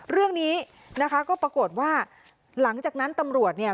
เรื่องนี้นะคะก็ปรากฏว่าหลังจากนั้นตำรวจเนี่ย